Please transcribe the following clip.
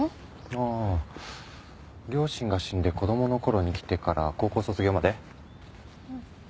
ああ両親が死んで子供の頃に来てから高校卒業まで。